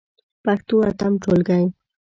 پښتو اتم ټولګی.